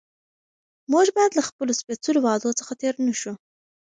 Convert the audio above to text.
موږ باید له خپلو سپېڅلو وعدو څخه تېر نه شو